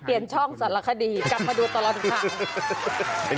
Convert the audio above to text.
เปลี่ยนช่องศาลคดีกับพัดวตลอดภัง